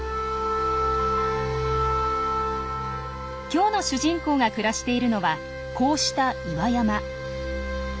今日の主人公が暮らしているのはこうした岩山。